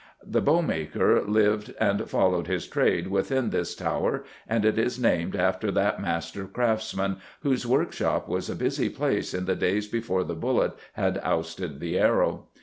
The bowmaker lived and followed his trade within this tower, and it is named after that master craftsman, whose workshop was a busy place in the days before the bullet had ousted the arrow.